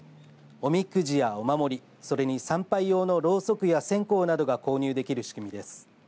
おみくじやお守りそれに参拝用のろうそくや線香などが購入できる仕組みです。